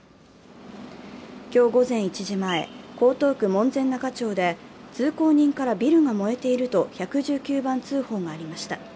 今日午前１時前、江東区門前仲町で、通行人からビルが燃えていると１１９番通報がありました。